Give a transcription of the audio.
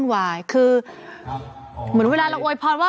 แฮปปี้เบิร์สเจทู